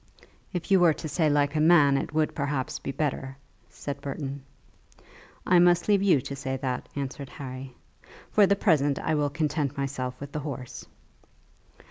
"If you were to say like a man, it would perhaps be better," said Burton. "I must leave you to say that," answered Harry; "for the present I will content myself with the horse."